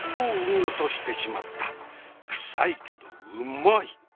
クサいけどうまい！